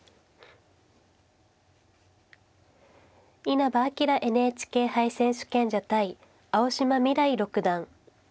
稲葉陽ＮＨＫ杯選手権者対青嶋未来六段。